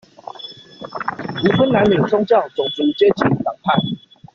無分男女、宗教、種族、階級、黨派